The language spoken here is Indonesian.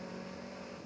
nggak ada pakarnya